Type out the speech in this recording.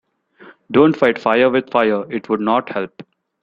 Don‘t fight fire with fire, it would not help.